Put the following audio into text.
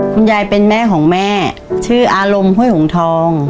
คุณยายเป็นแม่ของแม่ชื่ออารมห้วยหงทอง